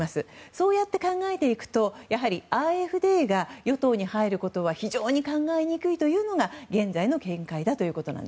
そうやって考えていくとＡｆＤが与党に入ることは非常に考えにくいというのが現在の見解です。